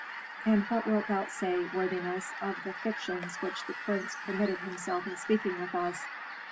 "And what wilt thou say, worthiness, of the fictions which the prince permitted himself in speaking with us?